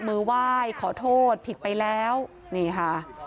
มือไหว้ขอโทษผิดไปแล้วนี่ค่ะ